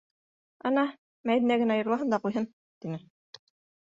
Ана, Мәҙинә генә йырлаһын да ҡуйһын, - тине.